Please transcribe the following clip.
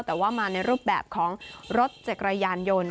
แต่ว่ามาในรูปแบบของรถจักรยานยนต์